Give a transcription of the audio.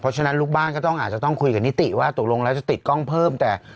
เพราะฉะนั้นลูกบ้านก็ต้องอาจจะต้องคุยกับนิติว่าตกลงแล้วจะติดกล้องเพิ่มแต่